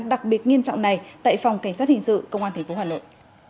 đặc biệt nghiêm trọng này tại phòng cảnh sát hình sự công an tp hà nội